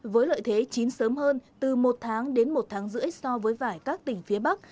với lợi thế chín sớm hơn từ một tháng đến một tháng rưỡi so với vải các tỉnh phía bắc